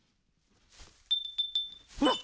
ほら！